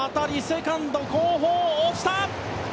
セカンド後方、落ちた！